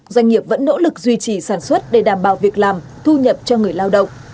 doanh nghiệp vẫn nỗ lực duy trì sản xuất để đảm bảo việc làm thu nhập cho người lao động